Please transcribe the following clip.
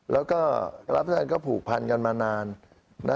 แล้วก็รับท่านก็ผูกพันกันมานาน